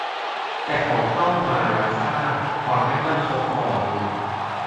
แต่เขาเข้ามาแล้วสร้าง ความไม่มั่นคงต่อมึง